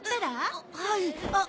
えっはいあっ。